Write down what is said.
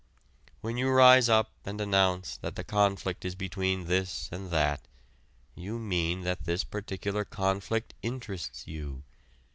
When you rise up and announce that the conflict is between this and that, you mean that this particular conflict interests you.